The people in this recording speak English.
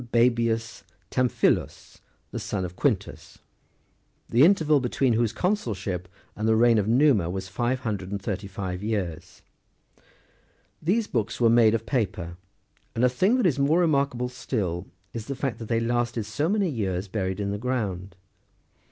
Basbius Tamphilus, the son of Quintus, the interval between whose consulship and the reign of Numa was five hundred and thirty five years. These books were made of paper, and, a thing that is more remarkable still, is the fact that they lasted so many years buried in the ground.